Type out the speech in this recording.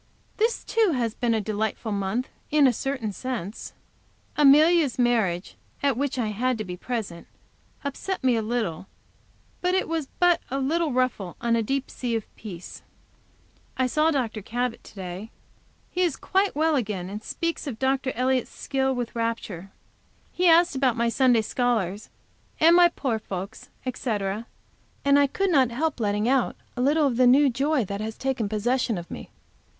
This, too, has been a delightful month in a certain sense. Amelia's marriage, at which I had to be present, upset me a little, but it was but a little ruffle on a deep sea of peace. I saw Dr. Cabot to day. He is quite well again, and speaks of Dr. Elliott's skill with rapture. He asked about my Sunday scholars and my poor folks, etc., and I could not help letting out a little of the new joy that has taken possession of me.